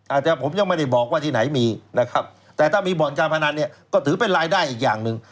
อาจจะผมยังไม่ได้บอกว่าที่ไหนมีนะครับแต่ถ้ามีบ่อนการพนันเนี่ยก็ถือเป็นรายได้อีกอย่างหนึ่ง